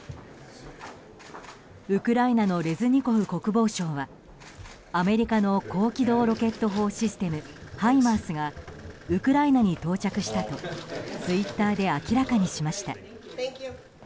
ウクライナのレズニコフ国防相はアメリカの高機動ロケット砲システムハイマースがウクライナに到着したとツイッターで明らかにしました。